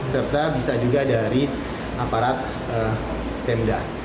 serta bisa juga dari aparat pemda